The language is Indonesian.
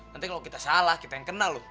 nanti kalau kita salah kita yang kena lo